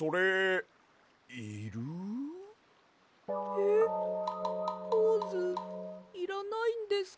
えっポーズいらないんですか？